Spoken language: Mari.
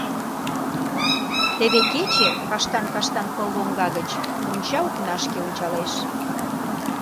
Теве кече каштан-каштан пыл лоҥга гыч монча окнашке ончалеш.